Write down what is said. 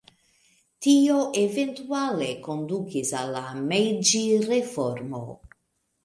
Tio eventuale kondukis al la Mejĝi-reformo.